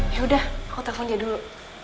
ya sudah aku telepon dia dulu